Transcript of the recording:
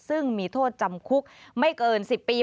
ซึ่งมีโทษจำคุกไม่เกิน๑๐ปี